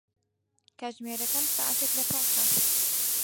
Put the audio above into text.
کاتژمێرەکەم سەعاتێک لەپاشە.